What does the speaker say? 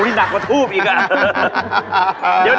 โอ้โหหนักกว่าทูบอีกอ่ะ